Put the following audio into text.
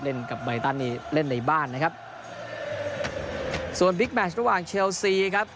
เล่นกับไม่ตลอดหรือเล่นในบ้านนะครับส่วนแมท์ที่ระหว่างเชียลซีครับ